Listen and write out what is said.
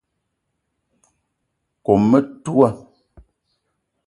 Kome metoua